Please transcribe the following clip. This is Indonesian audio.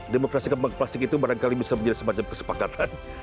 demokrasi kembang plastik itu barangkali bisa menjadi semacam kesepakatan